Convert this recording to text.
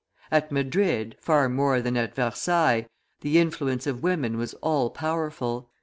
At Madrid, far more than at Versailles, the influence of women was all powerful.